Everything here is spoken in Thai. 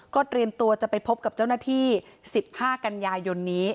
เตรียมตัวจะไปพบกับเจ้าหน้าที่๑๕กันยายนนี้